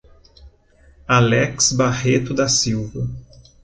Alex Barreto da Silva